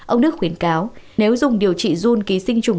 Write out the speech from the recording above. ông đức khuyến cáo nếu dùng điều trị zun ký sinh trùng